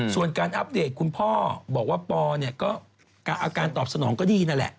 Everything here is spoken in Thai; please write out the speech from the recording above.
ส่วนการอัปเดตคุณพ่อบอกว่าปอเนี่ยก็อาการตอบสนองก็ดีนั่นแหละ